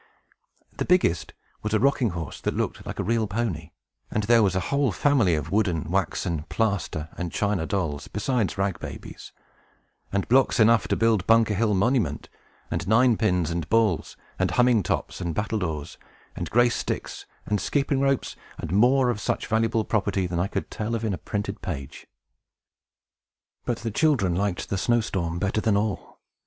The biggest was a rocking horse, that looked like a real pony; and there was a whole family of wooden, waxen, plaster, and china dolls, besides rag babies; and blocks enough to build Bunker Hill Monument, and nine pins, and balls, and humming tops, and battledores, and grace sticks, and skipping ropes, and more of such valuable property than I could tell of in a printed page. But the children liked the snow storm better than them all.